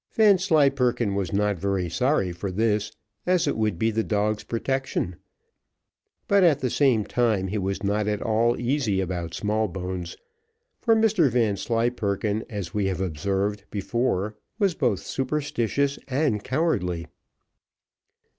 Vanslyperken was not very sorry for this, as it would be the dog's protection; but at the same time he was not at all easy about Smallbones; for Mr Vanslyperken, as we have observed before, was both superstitious and cowardly.